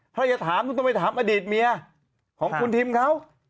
ถ้าจะถามคุณต้องไปถามอดีตเมียของคุณทิมเขา